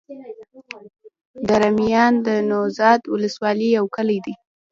دره میان د نوزاد ولسوالي يو کلی دی.